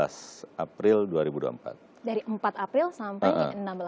dari empat april sampai enam belas